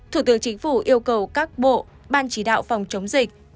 thủ tướng chính phủ yêu cầu các bộ ban chỉ đạo phòng chống dịch